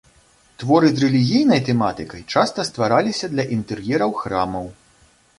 Творы з рэлігійнай тэматыкай часта ствараліся для інтэр'ераў храмаў.